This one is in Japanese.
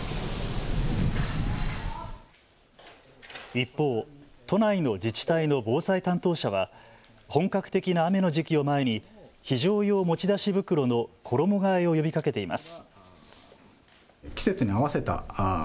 一方、都内の自治体の防災担当者は本格的な雨の時期を前に非常用持ち出し袋の衣がえを呼びかけています。